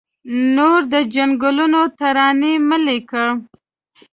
نور د جنګونو ترانې مه لیکه